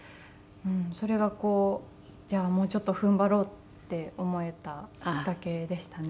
それがじゃあもうちょっとふんばろうって思えたきっかけでしたね。